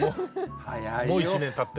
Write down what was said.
もう１年たって。